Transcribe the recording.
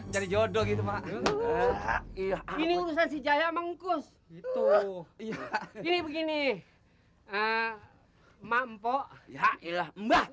jadi jodoh gitu maksaia ini urusan si jaya mengkus itu ya ini begini ma mpo ya ilah mbak